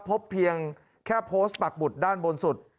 พบเพียงแค่โพสต์ปักบุตรด้านบนสุด